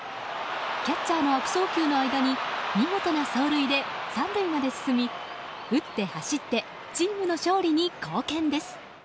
キャッチャーの悪送球の間に見事な走塁で３塁まで進み、打って走ってチームの勝利に貢献です。